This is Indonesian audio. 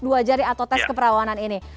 belajari atau tes keperawanan ini